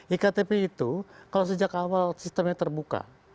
iktp itu kalau sejak awal sistemnya terbuka